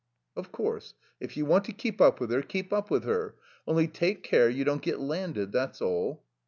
"Of course, if you want to keep up with her, keep up with her. Only take care you don't get landed, that's all."